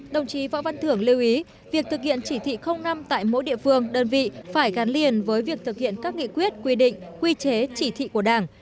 đồng chí võ văn thưởng lưu ý việc thực hiện chỉ thị năm tại mỗi địa phương đơn vị phải gắn liền với việc thực hiện các nghị quyết quy định quy chế chỉ thị của đảng